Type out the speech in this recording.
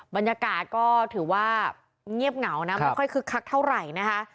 บรรยากาศก็ถือว่าเงียบเหงานะไม่ค่อยคึกคักเท่าไหร่นะคะ